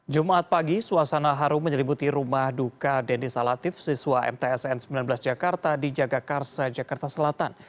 jumat pagi suasana harum menyelimuti rumah duka denny salatif siswa mtsn sembilan belas jakarta di jagakarsa jakarta selatan